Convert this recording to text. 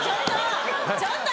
ちょっと！